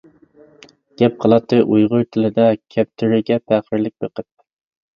گەپ قىلاتتى ئۇيغۇر تىلىدا كەپتىرىگە پەخىرلىك بېقىپ.